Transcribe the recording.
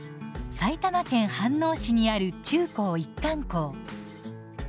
埼玉県飯能市にある中高一貫校。